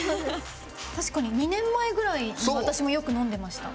確かに２年前ぐらい私もよく飲んでました。